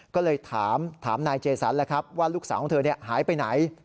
ก็เลยถามนายเจสันแล้วครับว่าลูกสาวของเธอหายไปไหน